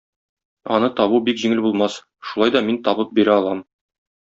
Аны табу бик җиңел булмас, шулай да мин табып бирә алам.